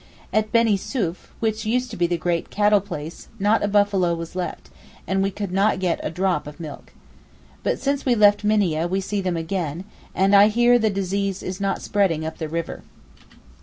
At Benisouef, which used to be the great cattle place, not a buffalo was left, and we could not get a drop of milk. But since we left Minieh we see them again, and I hear the disease is not spreading up the river.